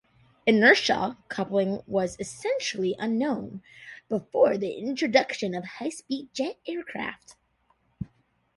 Inertia coupling was essentially unknown before the introduction of high-speed jet aircraft.